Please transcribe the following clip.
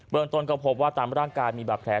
เมืองต้นก็พบว่าตามร่างกายมีบาดแผล